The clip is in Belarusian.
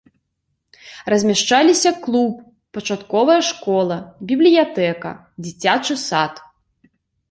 Размяшчаліся клуб, пачатковая школа, бібліятэка, дзіцячы сад.